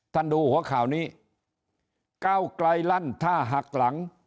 ดูหัวข่าวนี้ก้าวไกลลั่นท่าหักหลัง